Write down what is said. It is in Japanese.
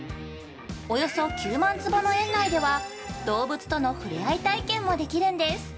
およそ９万坪の園内では、動物との触れ合い体験もできるんです！